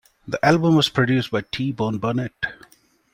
The album was produced by T-Bone Burnett.